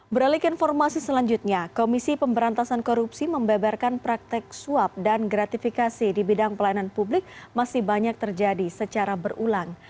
beralik informasi selanjutnya komisi pemberantasan korupsi membeberkan praktek suap dan gratifikasi di bidang pelayanan publik masih banyak terjadi secara berulang